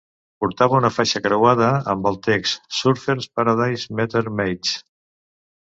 Portava una faixa creuada amb el text "Surfers Paradise Meter Maids".